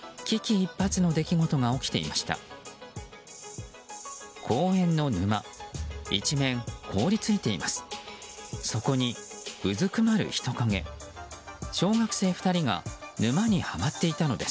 一面、凍り付いています。